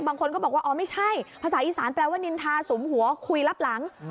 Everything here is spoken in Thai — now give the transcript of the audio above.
บางคนก็บอกว่าอ๋อไม่ใช่ภาษาอีสานแปลว่านินทาสุมหัวคุยรับหลัง